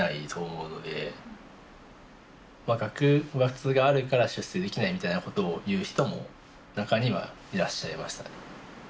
学閥があるから出世できないみたいなことを言う人も中にはいらっしゃいましたね。